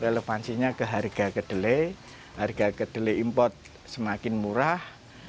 relevansinya ke harga kedelai harga kedelai impor semakin murah